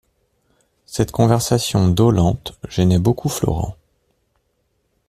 Cette conversation dolente gênait beaucoup Florent.